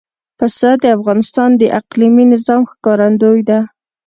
پسه د افغانستان د اقلیمي نظام ښکارندوی ده.